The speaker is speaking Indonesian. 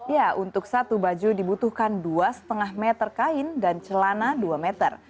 ya untuk satu baju dibutuhkan dua lima meter kain dan celana dua meter